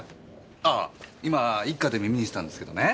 ああ今一課で耳にしたんですけどね。